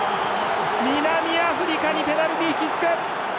南アフリカにペナルティキック！